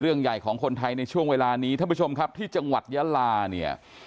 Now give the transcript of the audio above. เรื่องใหญ่ของคนไทยในช่วงเวลานี้ท่านผู้ชมครับที่จังหวัดยาลาเนี่ย